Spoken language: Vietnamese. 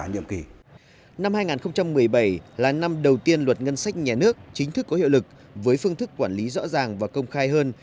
năm hai nghìn một mươi bảy là năm đầu tiên luật ngân sách nhà nước chính thức có hiệu lực với phương thức quản lý rõ ràng và công khai hơn